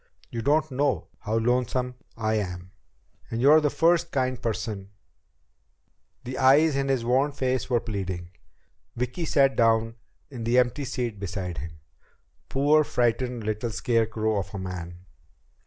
You don't know how lonesome I am. And you're the first kind person ..." The eyes in his worn face were pleading. Vicki sat down in the empty seat beside him. Poor, frightened little scarecrow of a man!